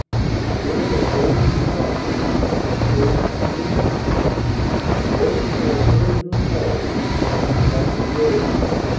He heard a moaning cry, faint and distant the voice they had heard in the forest and at the grave.